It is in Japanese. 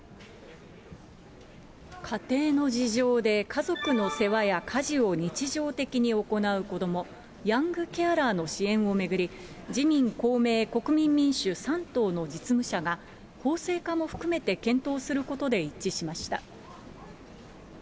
家庭の事情で、家族の世話や家事を日常的に行う子ども、ヤングケアラーの支援を巡り、自民、公明、国民民主３党の実務者が、法制化も含めて検討することで一致しました。